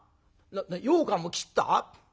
ようかんも切った？